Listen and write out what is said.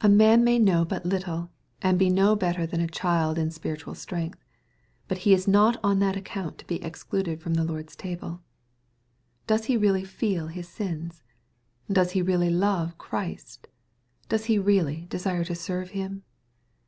A man may know bat little, and bo no better than a child in spiritual strengtb^ but he is not on that account to be excluded from the Lord's table. — Does he r eally fe el his sins ? Does he really love Christ ? Does he really desire to serve Him